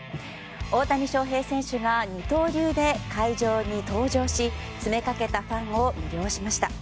大谷翔平選手が二刀流で会場に登場し詰めかけたファンを魅了しました。